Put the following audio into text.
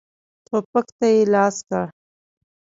ټوپک ته یې لاس کړ.